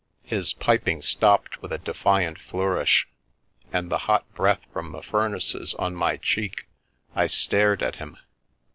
His piping stopped with a defiant flourish; and, the hot breath from the furnaces on my cheek, I stared at him.